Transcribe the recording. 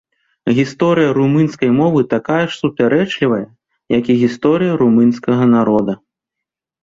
Гісторыя румынскай мовы такая ж супярэчлівая, як і гісторыя румынскага народа.